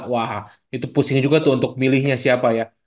wah itu pusing juga tuh untuk milihnya siapa ya